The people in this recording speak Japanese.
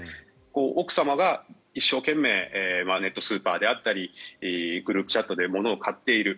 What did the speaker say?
奥様が一生懸命ネットスーパーであったりグループチャットで物を買っている。